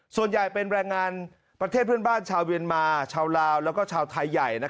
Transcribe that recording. ส่วนใหญ่เป็นแรงงานประเทศเพื่อนบ้านชาวเมียนมาชาวลาวแล้วก็ชาวไทยใหญ่